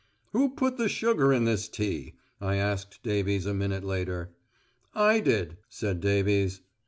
"Who put the sugar in this tea?" I asked Davies a minute later. "I did," said Davies.